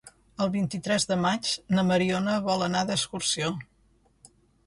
El vint-i-tres de maig na Mariona vol anar d'excursió.